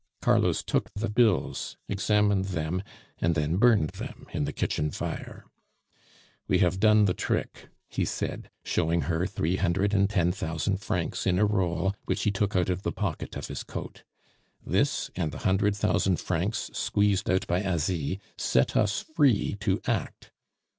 Carlos took the bills, examined them, and then burned them in the kitchen fire. "We have done the trick," he said, showing her three hundred and ten thousand francs in a roll, which he took out of the pocket of his coat. "This, and the hundred thousand francs squeezed out by Asie, set us free to act."